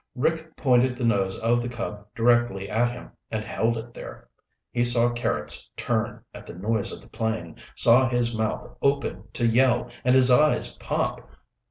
Rick pointed the nose of the Cub directly at him and held it there. He saw Carrots turn at the noise of the plane, saw his mouth open to yell and his eyes pop.